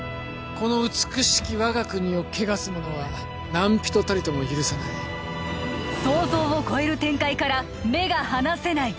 この美しき我が国を汚す者は何人たりとも許さない想像を超える展開から目が離せない！